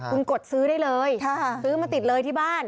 คุณกดซื้อได้เลยซื้อมาติดเลยที่บ้าน